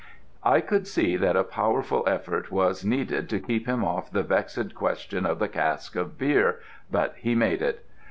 I could see that a powerful effort was needed to keep him off the vexed question of the cask of beer, but he made it.